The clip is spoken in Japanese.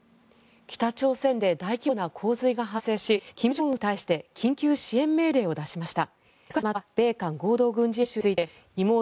北朝鮮で大規模な洪水が発生し金正恩総書記は軍に対して緊急支援命令を出しました。